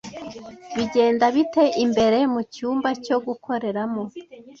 Bigenda bite imbere mucyumba cyo gukoreramo?